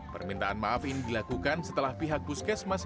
permintaan maaf ini dilakukan setelah pihak puskesmas